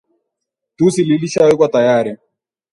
tusi lilishawekwa tayari